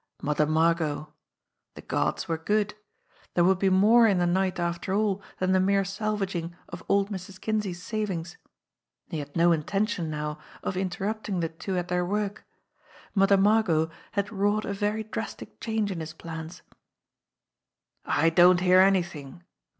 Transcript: Mother Margot ! The gods were good ! There would be more in the night after all than the mere salvaging of old Mrs. Kinsey's savings. He had no intention now of interrupting the two at their work! Mother Margot had wrought a very drastic change in his plans ! "I don't hear anything!"